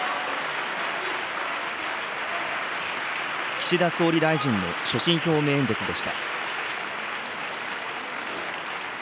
岸田総理大臣の所信表明演説でした。